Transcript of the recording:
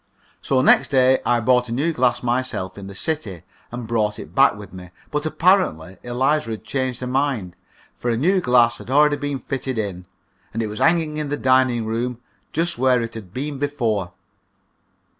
So next day I bought a new glass myself in the city, and brought it back with me. But apparently Eliza had changed her mind, for a new glass had already been fitted in, and it was hanging in the dining room, just where it had been before.